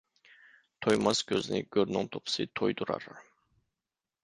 تويماس كۆزنى گۆرنىڭ توپىسى تويدۇرار.